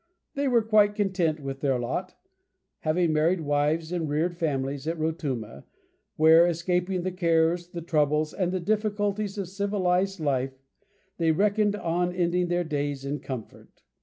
They were quite content with their lot, having married wives and reared families at Rotuma, where, escaping the cares, the troubles, and the difficulties of civilized life, they reckoned on ending their days in comfort.